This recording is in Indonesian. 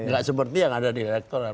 nggak seperti yang ada di elektoral